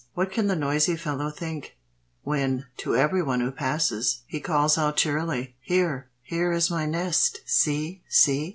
What can the noisy fellow think, When, to everyone who passes, He calls out cheerily, "Here, here is my nest! See! see!"